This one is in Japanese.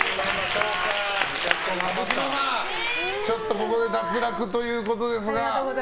ここで脱落ということですが。